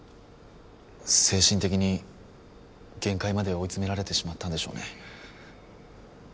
精神的に限界まで追い詰められてしまったんでしょうね。